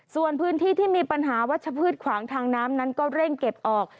ส่วนพื้นที่ที่มีปัญหาวัชพืชขวางทางน้ำนั้นก็เร่งเก็บออก